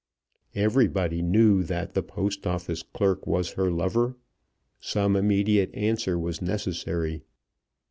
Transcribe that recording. Everybody knew that the Post Office clerk was her lover. Some immediate answer was necessary.